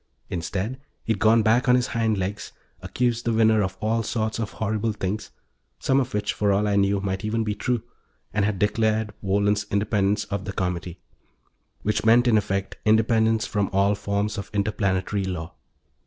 Instead, he'd gone back on his hind legs, accused the winner of all sorts of horrible things some of which, for all I knew, might even be true and had declared Wohlen's independence of the Comity. Which meant, in effect, independence from all forms of interplanetary law.